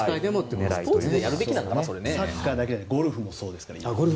サッカーだけじゃなくてゴルフもそうですから。